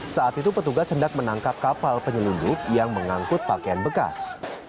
saat itu petugas hendak menangkap kapal penyelundup yang mengangkut pakaian bekas